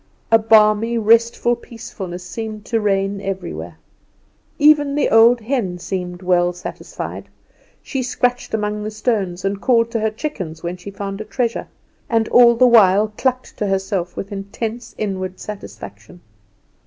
A balmy, restful peacefulness seemed to reign everywhere. Even the old hen seemed well satisfied. She scratched among the stones and called to her chickens when she found a treasure; and all the while tucked to herself with intense inward satisfaction.